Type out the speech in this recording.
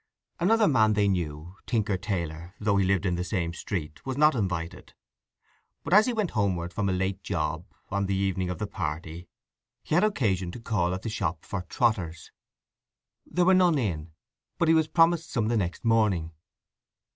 Another man they knew, Tinker Taylor, though he lived in the same street, was not invited; but as he went homeward from a late job on the evening of the party, he had occasion to call at the shop for trotters. There were none in, but he was promised some the next morning.